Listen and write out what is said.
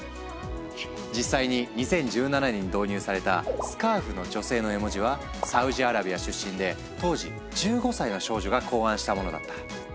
実際に２０１７年に導入されたスカーフの女性の絵文字はサウジアラビア出身で当時１５歳の少女が考案したものだった。